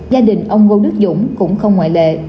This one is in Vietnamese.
gia đình ông ngô đức dũng cũng không ngoại lệ